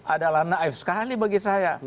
adalah naif sekali bagi saya